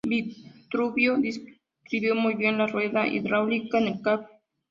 Vitruvio describió muy bien la rueda hidráulica en el cap.